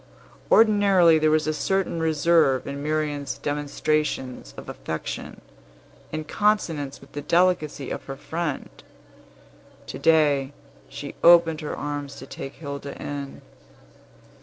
Ordinarily there was a certain reserve in Miriam's demonstrations of affection, in consonance with the delicacy of her friend. To day, she opened her arms to take Hilda in.